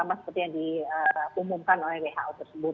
sama seperti yang diumumkan oleh who tersebut